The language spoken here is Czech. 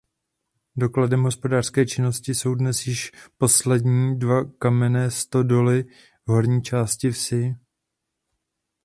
Dokladem hospodářské činnosti jsou dnes již poslední dvě kamenné stodoly v horní části vsi.